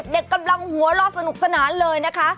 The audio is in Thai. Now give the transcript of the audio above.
เด็กกำลังหัวรอสนุกสนานเลยนะคะ